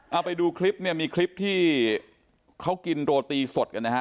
เอาไปดูคลิปเนี่ยมีคลิปที่เขากินโรตีสดกันนะฮะ